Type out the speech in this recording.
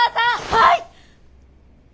はい！